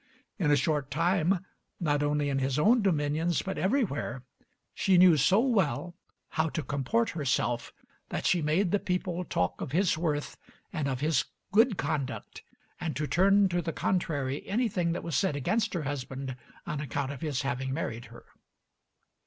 In a short time, not only in his own dominions but everywhere, she knew so well how to comport herself that she made the people talk of his worth and of his good conduct, and to turn to the contrary anything that was said against her husband on account of his having married her.